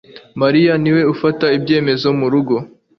Mariya niwe ufata ibyemezo murugo